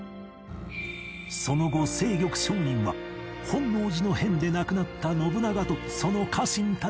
その後清玉上人は本能寺の変で亡くなった信長とその家臣たちを厚く弔い